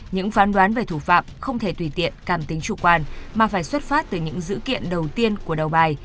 những phán đoán về thủ phạm không thể tùy tiện cảm tính chủ quan mà phải xuất phát từ những dữ kiện đầu tiên của đầu bài